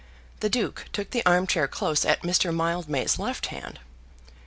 The Duke took the armchair close at Mr. Mildmay's left hand.